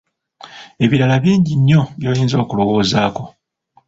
Ebirala bingi nnyo by’oyinza okulowoozaako.